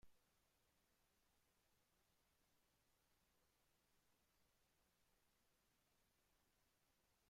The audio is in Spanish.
Caspian X reconstruyó el castillo a su esplendor original.